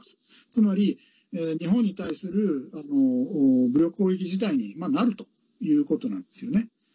つまり、日本に対する武力攻撃事態になるということなんですよね。